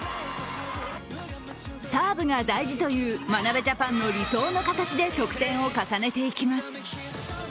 「サーブが大事」という眞鍋ジャパンの理想の形で得点を重ねていきます。